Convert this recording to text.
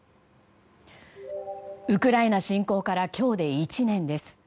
ウクライナ侵攻から今日で１年です。